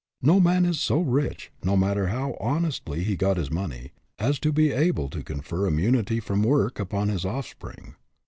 No man is so rich, no matter how honestly he got his money, as to be able to confer im munity from work upon his offspring.